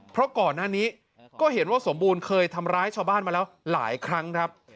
เพราะก่อนหน้านี้ก็เห็นว่าสมบูรณ์เคยทำร้ายชาวบ้านมาแล้วหลายครั้งครับ